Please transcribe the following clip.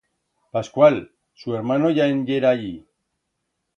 Pascual, su ermano, ya en yera allí.